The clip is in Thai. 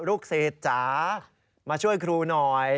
ลูกเศษจ๋ามาช่วยครูหน่อย